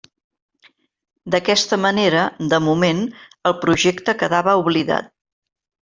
D'aquesta manera, de moment, el projecte quedava oblidat.